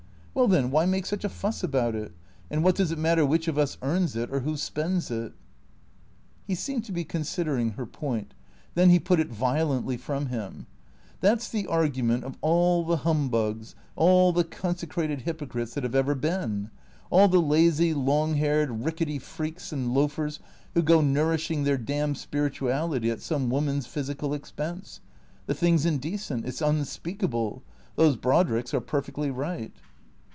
Well then, why make such a fuss about it ? And what does it matter which of us earns it, or who spends it ?" He seemed to be considering her point. Then he put it vio lently from him. " That 's the argument of all the humbugs, all the consecrated hypocrites that have ever been. All the lazy, long haired, rickety freaks and loafers who go nourishing their damned spirituality at some woman's physical expense. The thing's indecent, it 's unspeakable. Those Brodricks are perfectly right."